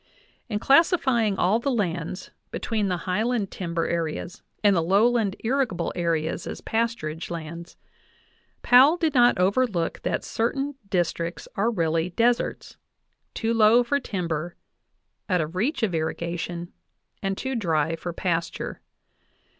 In classifying all the lands between the highland timber areas and the lowland irrigable areas as pasturage lands, Powell did not overlook that certain districts are really deserts, too low for timber, out of reach of irrigation, and too dry for pasture.